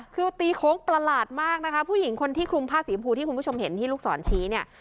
คือตีโค้งประหลาดมากนะคะผู้หญิงคนที่คลุมผ้าสีชมพูที่คุณผู้ชมเห็นที่ลูกศรชี้เนี่ย